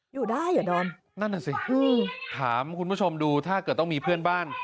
อยู่ได้เหรอดอมนั่นน่ะสิถามคุณผู้ชมดูถ้าเกิดต้องมีเพื่อนบ้าน